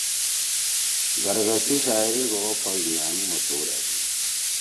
گرگس سی شاعری ڙو او پھل دُھوئیا می مشہور أشی۔